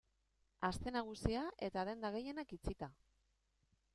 Aste Nagusia eta denda gehienak itxita.